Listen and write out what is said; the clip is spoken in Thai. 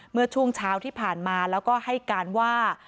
เมื่อช่วงเช้าที่ผ่านมาแล้วก็ให้การว่า